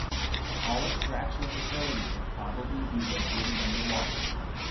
All extraction facilities will probably be located under water.